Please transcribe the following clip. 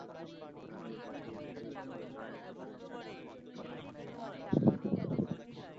কিন্তু শর্ট লেগে ক্যাচ তুলে দেওয়া হুপার বেঁচে যান নো-বলের কারণে।